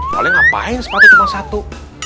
kalian ngapain sepatu cuma satu